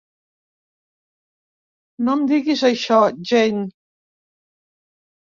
No em diguis això, Jane.